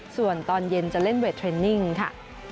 ส่วนตอนเย็นจะเล่นเวทเทรนนิ่งค่ะ